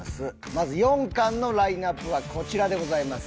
まず４巻のラインアップはこちらでございます。